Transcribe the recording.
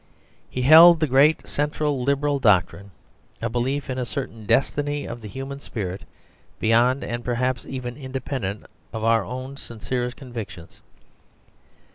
He held the great central Liberal doctrine, a belief in a certain destiny of the human spirit beyond, and perhaps even independent of, our own sincerest convictions.